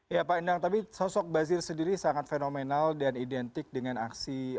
ya pak indang tapi sosok basir sendiri sangat fenomenal dan identik dengan aksi radikalisme